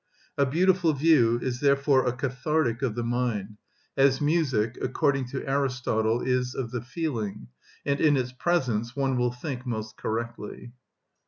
A beautiful view is therefore a cathartic of the mind, as music, according to Aristotle, is of the feeling, and in its presence one will think most correctly.